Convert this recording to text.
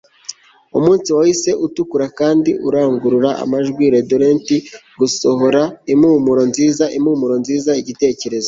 Umunsi wahise utukura kandi urangurura amajwi redolent gusohora impumuro nziza impumuro nziza igitekerezo